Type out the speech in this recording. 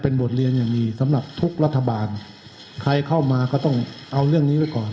บทเรียนอย่างดีสำหรับทุกรัฐบาลใครเข้ามาก็ต้องเอาเรื่องนี้ไว้ก่อน